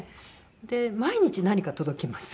で毎日何か届きます。